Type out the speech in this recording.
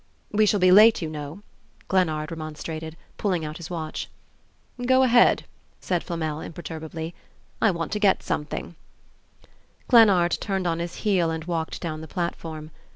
"We shall be late, you know," Glennard remonstrated, pulling out his watch. "Go ahead," said Flamel, imperturbably. "I want to get something " Glennard turned on his heel and walked down the platform.